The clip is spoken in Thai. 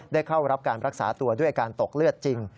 เข้ารับการรักษาตัวด้วยอาการตกเลือดจริง